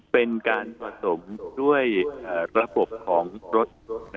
เป็นการผสมด้วยระบบของรถ